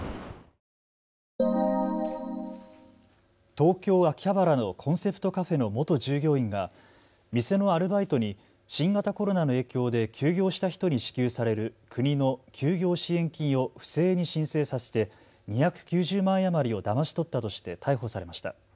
東京秋葉原のコンセプトカフェの元従業員が店のアルバイトに新型コロナの影響で休業した人に支給される国の休業支援金を不正に申請させて２９０万円余りをだまし取ったとして逮捕されました。